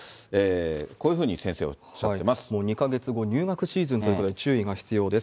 こういうふうに先生、２か月後、入学シーズンということで、注意が必要です。